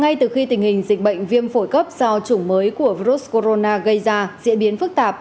ngay từ khi tình hình dịch bệnh viêm phổi cấp do chủng mới của virus corona gây ra diễn biến phức tạp